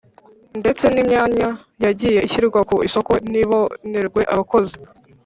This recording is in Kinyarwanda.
Ndetse n imyanya yagiye ishyirwa ku isoko ntibonerwe abakozi